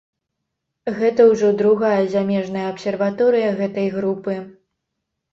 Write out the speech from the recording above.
Гэта ўжо другая замежная абсерваторыя гэтай групы.